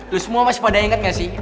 lu semua masih pada inget gak sih